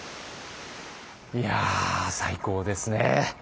いや最高ですね。